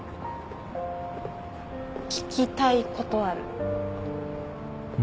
聞きたいことある。